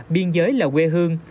biên giới là quê hương